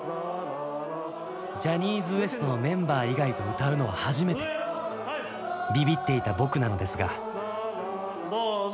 ジャニーズＷＥＳＴのメンバー以外と歌うのは初めてびびっていた僕なのですがどうぞ。